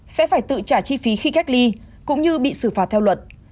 sẽ phải tự trả chi phí khi cách ly cũng như bị xử phạt theo luật